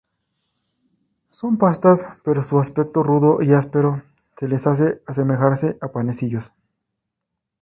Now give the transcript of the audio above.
Son pastas, pero su aspecto rudo y áspero les hace asemejarse a panecillos.